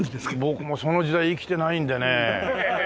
僕もその時代生きてないんでね。